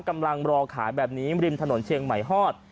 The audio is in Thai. กำลังรอขายแบบนี้ริมถนนเชียงใหม่ฮอด